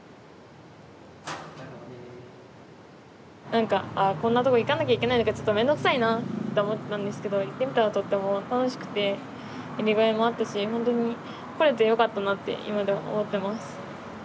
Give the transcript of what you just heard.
なんかあこんなとこ行かなきゃいけないのかちょっとめんどくさいなって思ってたんですけど行ってみたらとっても楽しくてやりがいもあったしほんとに来れてよかったなって今でも思ってます。